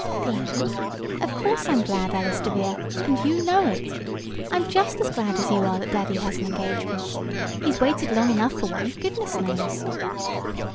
"Glad? Of course I'm glad, Alice DeVere, and you know it. I'm just as glad as you are that daddy has an engagement. He's waited long enough for one, goodness knows!"